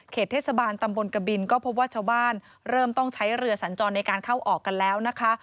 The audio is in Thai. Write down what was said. เทศบาลตำบลกบินก็พบว่าชาวบ้านเริ่มต้องใช้เรือสัญจรในการเข้าออกกันแล้วนะคะ